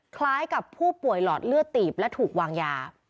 คล้ายกับผู้ป่วยหลอดเลือดตีบและถูกวางยา